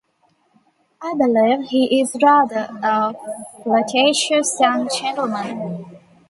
I believe he is rather a flirtatious young gentleman.